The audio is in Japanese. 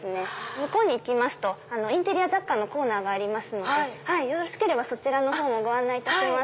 向こうにインテリア雑貨のコーナーがありますのでよろしければご案内いたします。